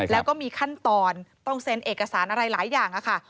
แล้วก็มีขั้นตอนต้องเซ็นเอกสารอะไรหลายอย่างค่ะ